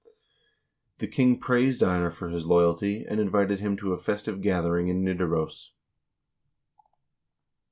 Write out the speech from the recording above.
The king praised Einar for his loyalty, and invited him to a festive gather ing in Nidaros.